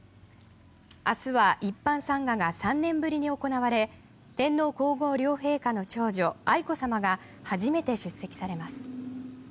明日は一般参賀が３年ぶりに行われ天皇・皇后両陛下の長女愛子さまが初めて出席されます。